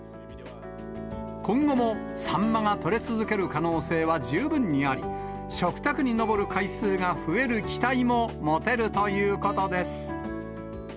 今後もサンマが取れ続ける可能性は十分にあり、食卓に上る回数が増える期待も持てるということです。